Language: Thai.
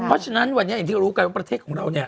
เพราะฉะนั้นวันนี้อย่างที่รู้กันว่าประเทศของเราเนี่ย